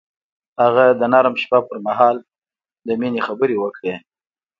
هغه د نرم شپه پر مهال د مینې خبرې وکړې.